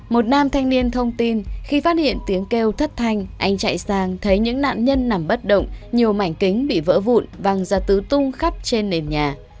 một nam thanh niên thông tin khi phát hiện tiếng kêu thất thanh anh chạy sang thấy những nạn nhân nằm bất động nhiều mảnh kính bị vỡ vụn văng ra tứ tung khắp trên nền nhà